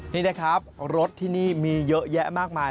นี่นะครับรถที่นี่มีเยอะแยะมากมาย